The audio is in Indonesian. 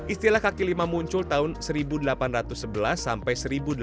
istilah kaki lima muncul tahun seribu delapan ratus sebelas sampai seribu delapan ratus